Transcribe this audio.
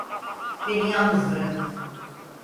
Beni yalnız bırakın!